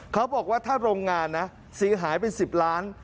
เขาบอกว่าถ้าโรงงานนะเสียหายเป็น๑๐ล้าน